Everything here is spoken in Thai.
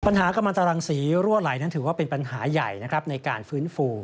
ปัญหากรรมตรังศรีรั่วไหลนั้นถือว่าเป็นปัญหาใหญ่ในการฟื้นฟู